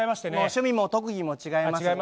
趣味も特技も違います。